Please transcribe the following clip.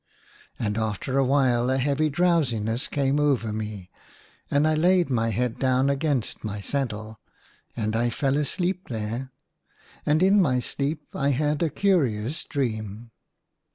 And after a while a heavy drowsiness came over me, and I laid my head down against my saddle, 68 THREE DREAMS IN A DESERT. and I fell asleep there. And, in my sleep, I had a curious dream.